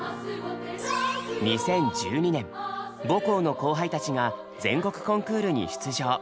２０１２年母校の後輩たちが全国コンクールに出場。